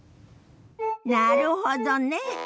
なるほどね。